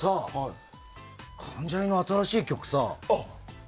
関ジャニの新しい曲をさ。